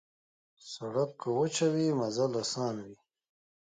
سړک که وچه وي، مزل اسان وي.